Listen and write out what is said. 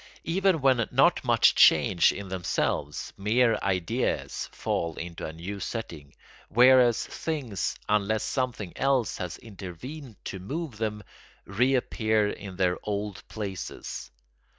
Even when not much changed in themselves, mere ideas fall into a new setting, whereas things, unless something else has intervened to move them, reappear in their old places.